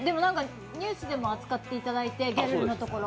ニュースでも扱っていただいて、ギャルのところ。